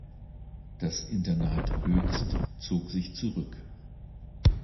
Das Internat Hoechst zog sich zurück.